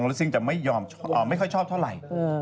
เราจะไม่ชอบเท่าไร